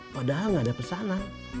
padahal gak ada pesanan